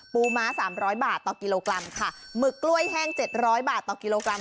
ปูม้า๓๐๐บาทต่อกิโลกรัมค่ะหมึกกล้วยแห้ง๗๐๐บาทต่อกิโลกรัม